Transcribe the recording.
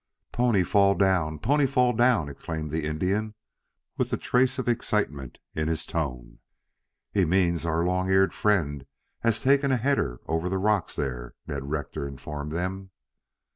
"Pony fall down! Pony fall down!" exclaimed the Indian, with a trace of excitement in his tone. "He means our long eared friend has taken a header over that rock there," Ned Rector informed them.